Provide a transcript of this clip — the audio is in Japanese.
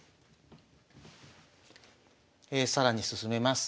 更に進めます。